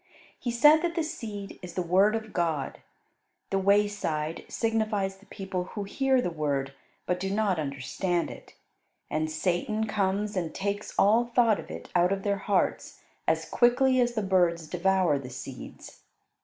He said that the seed is the Word of God. The wayside signifies the people who hear the Word but do not understand it, and Satan comes and takes all thought of it out of their hearts as quickly as the birds devour the seeds.